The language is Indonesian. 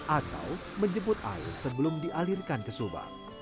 atau menjemput air sebelum dialirkan ke subang